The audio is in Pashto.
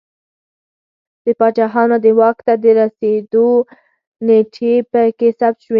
د پاچاهانو د واک ته رسېدو نېټې په کې ثبت شوې